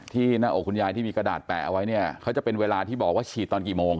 หน้าอกคุณยายที่มีกระดาษแปะเอาไว้เนี่ยเขาจะเป็นเวลาที่บอกว่าฉีดตอนกี่โมง